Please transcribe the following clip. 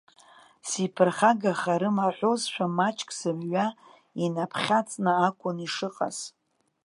Сиԥырхагахарым аҳәозшәа маҷк зымҩа инаԥхьаҵны акәын ишыҟаз.